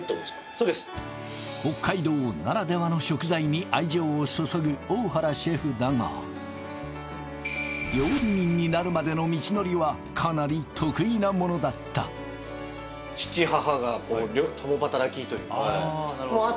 そうです北海道ならではの食材に愛情を注ぐ大原シェフだが料理人になるまでの道のりはかなり特異なものだったええー